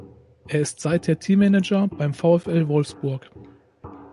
Er ist seither Teammanager beim VfL Wolfsburg.